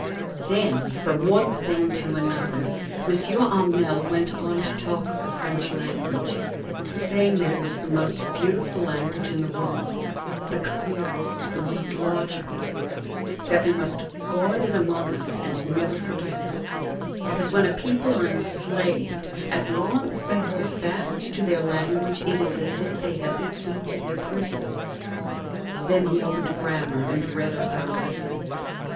Then, from one thing to another, M. Hamel went on to talk of the French language, saying that it was the most beautiful language in the world the clearest, the most logical; that we must guard it among us and never forget it, because when a people are enslaved, as long as they hold fast to their language it is as if they had the key to their prison. Then he opened a grammar and read us our lesson.